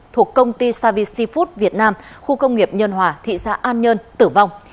thuộc công ty savi food việt nam khu công nghiệp nhân hòa thị xã an nhơn tử vong